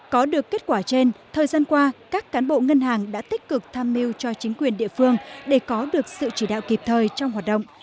có được kết quả trên thời gian qua các cán bộ ngân hàng đã tích cực tham mưu cho chính quyền địa phương để có được sự chỉ đạo kịp thời trong hoạt động